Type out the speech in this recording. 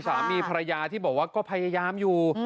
สามีภรรยาที่บอกว่าก็พยายามอยู่